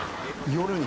夜に。